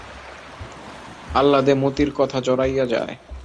আহ্লাদে মতির কথা জড়াইয়া যায়।